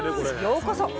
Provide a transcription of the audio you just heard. ようこそ。